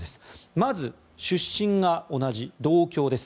まず、出身が同じ同郷です。